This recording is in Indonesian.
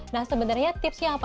nah sebenarnya tipsnya apa